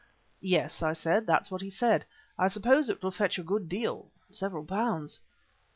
"Yes," I said, "that's what he said. I suppose it will fetch a good deal several pounds."